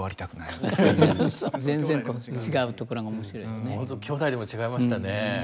ほんときょうだいでも違いましたね。